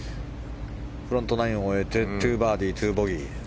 フロントナインを終えて２バーディー、２ボギー。